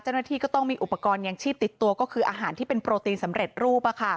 เจ้าหน้าที่ก็ต้องมีอุปกรณ์ยังชีพติดตัวก็คืออาหารที่เป็นโปรตีนสำเร็จรูป